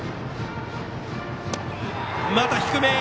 また低め！